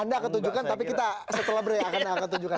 anda akan tunjukkan tapi kita setelah break akan tunjukkan